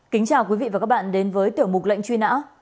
kính chào quý vị và các bạn đến với tiểu mục lệnh truy nã